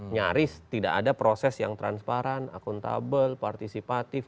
nyaris tidak ada proses yang transparan akuntabel partisipatif